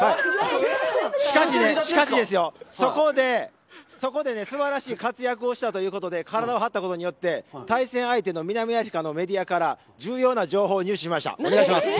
しかしですよ、そこで素晴らしい活躍をしたということで、体を張ったことによって、対戦相手の南アフリカのメディアから重要な情報を入手しました、お願いします。